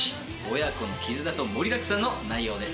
親子の絆と盛りだくさんの内容です。